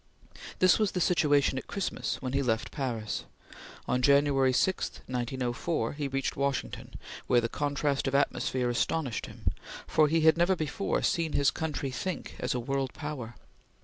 This was the situation at Christmas when he left Paris. On January 6, 1904, he reached Washington, where the contrast of atmosphere astonished him, for he had never before seen his country think as a world power.